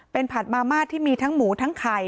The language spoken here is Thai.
เป็นผัดมาม่าที่มีทั้งหมูทั้งไข่